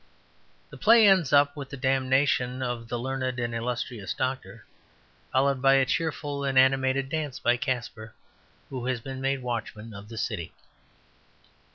The play ends with the damnation of the learned and illustrious doctor, followed by a cheerful and animated dance by Caspar, who has been made watchman of the city.